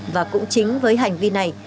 và cũng chính với hành vi này